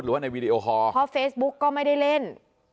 ว่าในวีดีโอคอลเพราะเฟซบุ๊กก็ไม่ได้เล่น